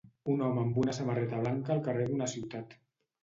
Un home amb una samarreta blanca al carrer d'una ciutat.